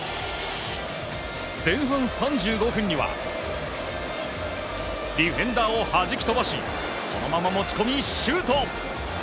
前半３５分にはディフェンダーをはじき飛ばしそのまま持ち込み、シュート！